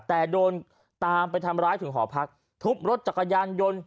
แต่โดนตามไปทำร้ายถึงหอพักทุบรถจักรยานยนต์